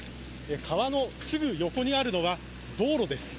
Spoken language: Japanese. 川のすぐ横にあるのは道路です。